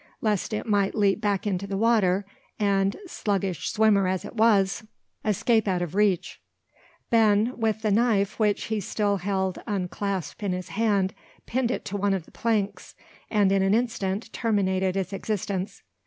Lest it might leap back into the water, and, sluggish swimmer as it was, escape out of reach, Ben, with the knife which he still held unclasped in his hand, pinned it to one of the planks, and in an instant terminated its existence.